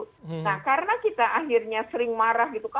nah karena kita akhirnya sering marah gitu